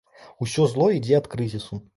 Усё зло ідзе ад крызісу!